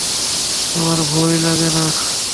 আমার ভয় লাগে না।